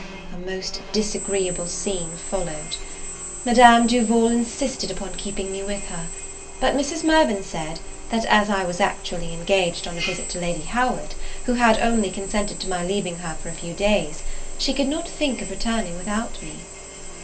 A most disagreeable scene followed. Madame Duval insisted upon keeping me with her; but Mrs. Mirvan said, that as I was actually engaged on a visit to Lady Howard, who had only consented to my leaving her for a few days, she could not think of returning without me.